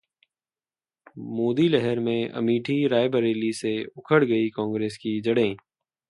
मोदी लहर में अमेठी-रायबरेली से उखड़ गईं कांग्रेस की जड़ें